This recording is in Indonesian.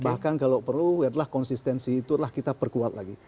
bahkan kalau perlu adalah konsistensi itulah kita perkuat lagi